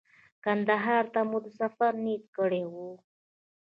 کندهار ته مو د سفر نیت کړی و.